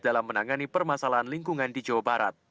dalam menangani permasalahan lingkungan di jawa barat